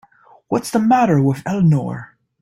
What's the matter with Eleanor?